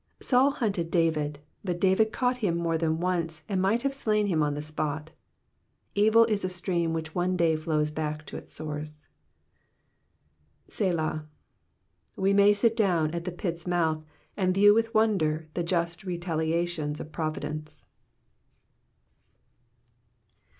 Saul hunted David, but David caught him more than once and mi^ht have slain him on the spot. Evil is a stream which one day flows back to Its source. '^Selah.'*^ We may sit down at the pit's mouth and view with wonder the just retaliations of providence.